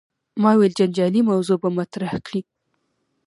ما ویل جنجالي موضوع به مطرح کړې.